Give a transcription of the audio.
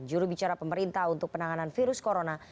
juru bicara pemerintah untuk penanganan virus corona